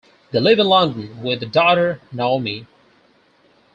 They live in London with their daughter Naomi.